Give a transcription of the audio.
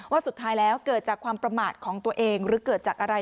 สุดท้ายแล้วเกิดจากความประมาทของตัวเองหรือเกิดจากอะไร